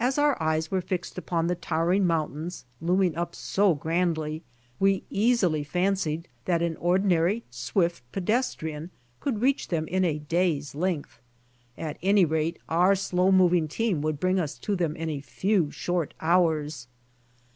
As our eyes were fixed upon the towering mountains looming up so grandly, we easily fancied that an ordinary swift pedestrian could reach them in a day's length. At any rate our slow mioving team w ould bring us to them in a few short hours.